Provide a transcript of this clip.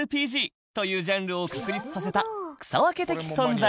ＲＰＧというジャンルを確立させた草分け的存在